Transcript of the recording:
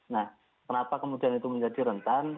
nah kenapa kemudian itu menjadi rentan